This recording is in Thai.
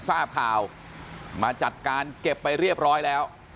ทราบข่าวมาจัดการเก็บไปเรียบร้อยแล้ว